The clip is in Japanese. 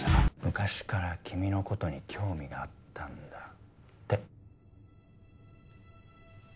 「昔から君のことに興味があったんだ」って